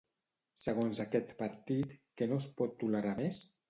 Segons aquest partit, què no es pot tolerar més?